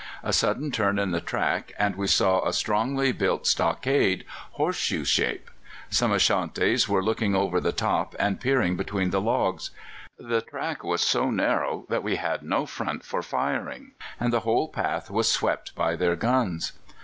A sudden turn in the track, and we saw a strongly built stockade, horseshoe shape. Some Ashantis were looking over the top and peering between the logs. The track was so narrow that we had no front for firing, and the whole path was swept by their guns.